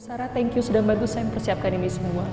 sarah terima kasih sudah membantu saya mempersiapkan ini semua